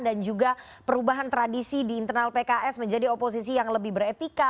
dan juga perubahan tradisi di internal pks menjadi oposisi yang lebih beretika